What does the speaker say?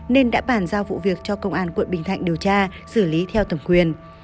nên đã bàn giao vụ việc cho công an quận bình thạnh điều tra xử lý theo thẩm quyền